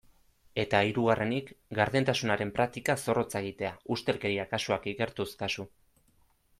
Eta hirugarrenik, gardentasunaren praktika zorrotza egitea, ustelkeria kasuak ikertuz kasu.